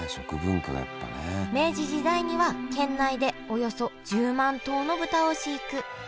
明治時代には県内でおよそ１０万頭の豚を飼育。